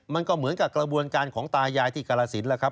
มันก็เหมือนกับกระบวนการของตายายที่กรสินแล้วครับ